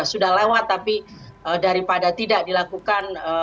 sudah lewat tapi daripada tidak dilakukan